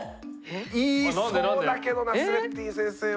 言いそうだけどナスレッディン先生は。